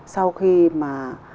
sau khi mà